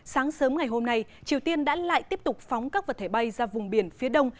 sáng sớm ngày hôm nay triều tiên đã lại tiếp tục phóng các vật thể bay ra vùng biển phía đông